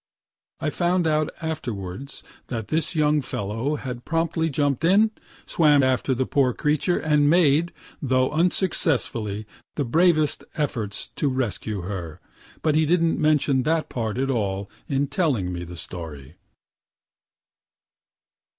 (I found out afterwards that this young fellow had promptly jump'd in, swam after the poor creature, and made, though unsuccessfully, the bravest efforts to rescue her; but he didn't mention that part at all in telling me the story.)